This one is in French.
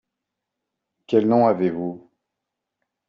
Quel nom avez-vous ?